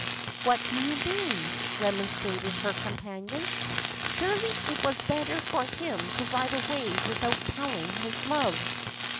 "What do you mean?" remonstrated her companion. "Surely it was better for him to ride away without telling his love.